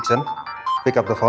kukagalin kagalin kita lah soi